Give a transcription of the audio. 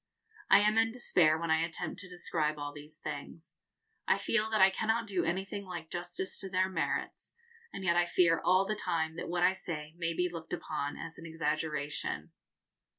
I am in despair when I attempt to describe all these things. I feel that I cannot do anything like justice to their merits, and yet I fear all the time that what I say may be looked upon as an exaggeration.